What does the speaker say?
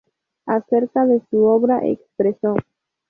Acerca de su obra, expresó